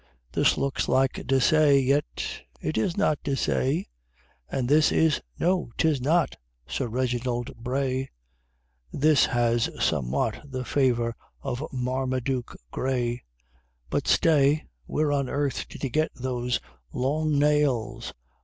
This looks like De Saye yet it is not De Saye And this is no, 'tis not Sir Reginald Braye, This has somewhat the favor of Marmaduke Grey But stay! _Where on earth did he get those long nails?